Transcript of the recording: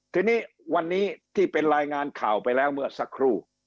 ทีนี้วันนี้ที่เป็นรายงานข่าวไปแล้วเมื่อสักครู่